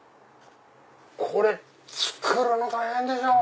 これ作るの大変でしょう。